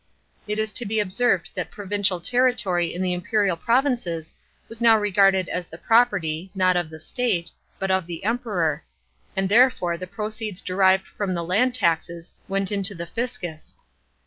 It is to be observed that provincial territory in the imperial provinces was now regarded as the property, not of the state, but of the Emperor ; and therefore the proceeds derived from the land taxes went into the fiscus.